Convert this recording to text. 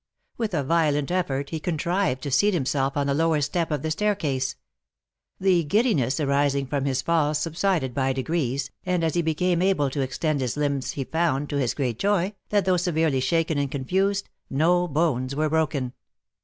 With a violent effort he contrived to seat himself on the lower step of the staircase; the giddiness arising from his fall subsided by degrees, and as he became able to extend his limbs he found, to his great joy, that, though severely shaken and contused, no bones were broken.